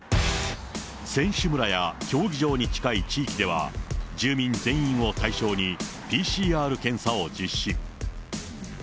選手村や競技場に近い地域では、住民全員を対象にＰＣＲ検査を実施。